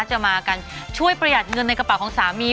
จะมากันช่วยประหยัดเงินในกระเป๋าของสามี